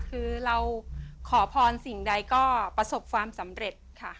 คือเราขอพรสิ่งใดก็ประสบความสำเร็จค่ะ